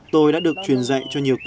tôi đã được truyền dạy cho nhiều người